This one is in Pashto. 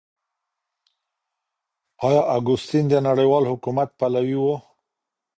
آيا اګوستين د نړيوال حکومت پلوي و؟